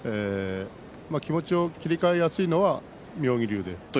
気持ちが切り替えやすいのは妙義龍。